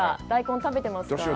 大根食べてますか？